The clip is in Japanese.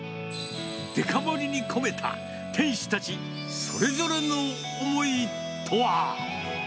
デカ盛りに込めた店主たちそれぞれの思いとは。